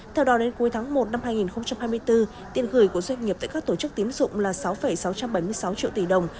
theo đó đến cuối tháng một năm hai nghìn hai mươi bốn tiền gửi của doanh nghiệp tại các tổ chức tiến dụng là sáu sáu trăm bảy mươi sáu triệu tỷ đồng